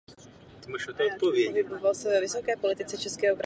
Pohyboval se ve vysoké politice českého království i moravského markrabství.